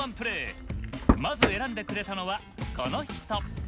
まず選んでくれたのはこの人！